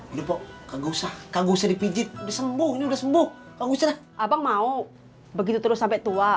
enggak usah usah dipijit sembuh sembuh abang mau begitu terus sampai tua